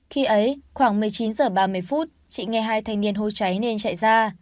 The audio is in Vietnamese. khi ấy khoảng một mươi chín giờ ba mươi phút trị nghe hai thành niên hô trái nên chạy ra